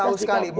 tapi tahu sekali